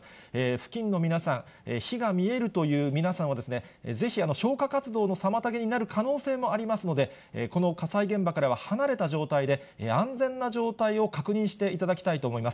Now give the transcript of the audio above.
付近の皆さん、火が見えるという皆さんは、ぜひ、消火活動の妨げになる可能性もありますので、この火災現場からは離れた状態で、安全な状態を確認していただきたいと思います。